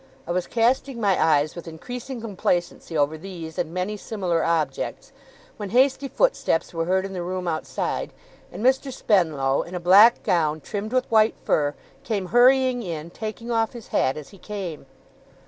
I was casting my eyes with increasing complacency over these and many similar objects, when hasty footsteps were heard in the room outside, and Mr. Spenlow, in a black gown trimmed with white fur, came hurrying in, taking off his hat as he came.